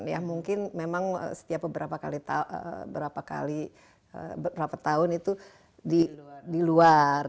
ya mungkin memang setiap beberapa tahun itu di luar